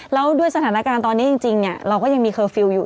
แล้วด้วยสถานการณ์ตอนนี้จริงเราก็ยังมีเคอร์ฟิลล์อยู่